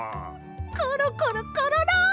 コロコロコロロ！